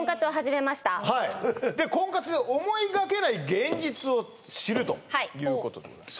そうはい婚活で思いがけない現実を知るということでございます